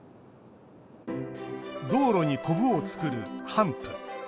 道路に、こぶを作るハンプ。